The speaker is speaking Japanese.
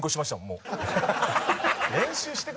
もう。